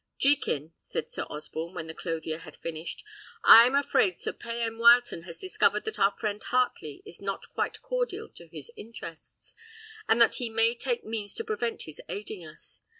"Jekin," said Sir Osborne, when the clothier had finished, "I am afraid Sir Payan Wileton has discovered that our friend Heartley is not quite cordial to his interests, and that he may take means to prevent his aiding us.